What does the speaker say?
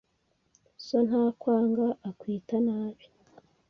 So ntakwanga, akwita nabi